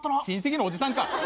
親戚のおじさんか！